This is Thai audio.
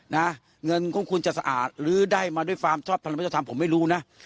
นะเงินของคุณจะสะอาดหรือได้มาด้วยความชอบทางวัฒนธรรมผมไม่รู้นะ